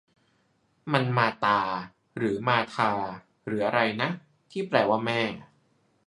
มัน มาตา หรือ มาธา หรืออะไรนะ ที่แปลว่า แม่